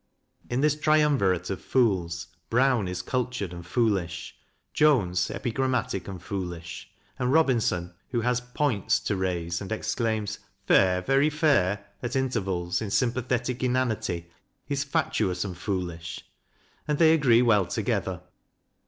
In this triumvirate of fools, Brown is cultured and foolish, Jones epigrammatic and foolish, and Robinson, who has " points " to raise, and exclaims " fair, very fair" at intervals in sympathetic inanity, is fatuous and foolish; and they agree well together.